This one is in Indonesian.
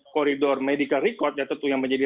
koridor medical record yaitu itu yang menjadi